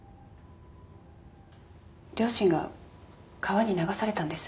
両親が川に流されたんです。